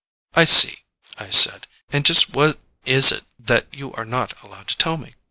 "I see," I said, "and just what is it that you are not allowed to tell me?"